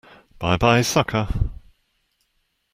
Bye-bye, sucker!